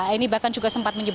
eni bahkan juga sempat menjawab